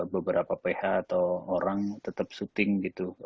beberapa ph atau orang tetap syuting gitu